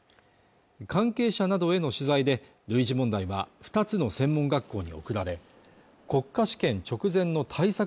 関係者などへの取材で類似問題は２つの専門学校に送られ国家試験直前の対策